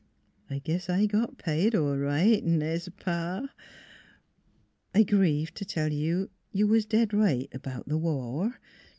I guess I got paid all right, naze pa ?" I grieve to tell you you was dead right about the war.